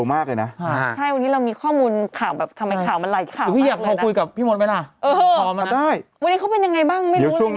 วันนี้เขาเป็นยังไงบ้าง